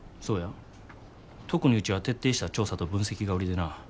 特にうちは徹底した調査と分析が売りでな。